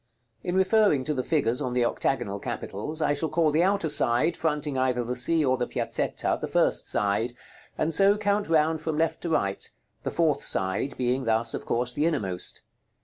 In referring to the figures on the octagonal capitals, I shall call the outer side, fronting either the Sea or the Piazzetta, the first side; and so count round from left to right; the fourth side being thus, of course, the innermost.